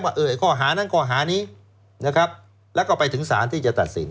เอ่ยข้อหานั้นข้อหานี้นะครับแล้วก็ไปถึงสารที่จะตัดสิน